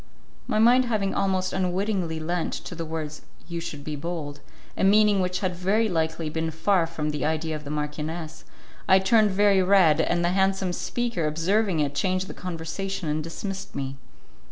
My mind having almost unwittingly lent to the words "You should be bold" a meaning which had very likely been far from the idea of the marchioness, I turned very red, and the handsome speaker, observing it, changed the conversation and dismissed me.